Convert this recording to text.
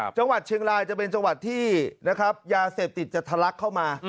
จังหวัดเชียงรายจะเป็นจังหวัดที่นะครับยาเสพติดจะทะลักเข้ามา